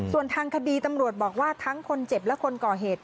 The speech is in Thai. ส่วนทางคดีตำรวจบอกว่าทั้งคนเจ็บและคนก่อเหตุ